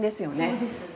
そうですね。